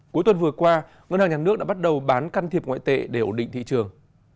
cuối tuần vừa qua ngân hàng nhà nước đã bắt đầu bán can thiệp ngoại tệ để ổn định thị trường